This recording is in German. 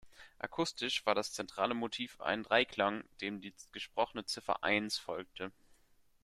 Akustisch war das zentrale Motiv ein „Dreiklang“, dem die gesprochene Ziffer „Eins“ folgte.